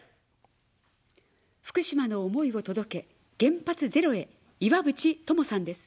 福島の思いを届け原発ゼロへ、いわぶち友さんです。